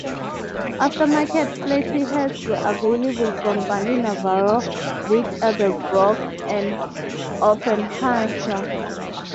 Aftermarket flatty heads were available from Barney Navarro, Vic Edelbrock, and Offenhauser.